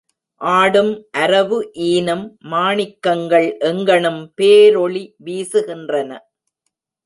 ஆடும் அரவு ஈனும் மாணிக்கங்கள் எங்கணும் பேரொளி வீசுகின்றன.